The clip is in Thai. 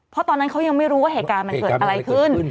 เพราะตอนนั้นเขายังไม่รู้ว่าเหตุการณ์มันเกิดอะไรขึ้น